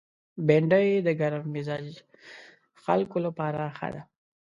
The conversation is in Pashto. بېنډۍ د ګرم مزاج خلکو لپاره ښه ده